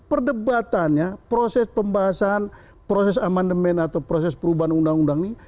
perdebatannya proses pembahasan proses amandemen atau proses perubahan undang undang ini